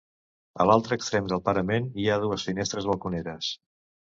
A l'altre extrem del parament hi ha dues finestres balconeres.